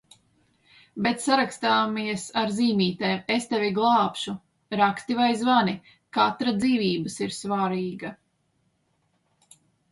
Bet sarakstāmies ar zīmītēm: es tevi glābšu, raksti vai zvani, katra dzīvības ir svarīga!